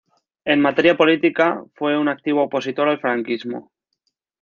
En materia política, fue un activo opositor al franquismo.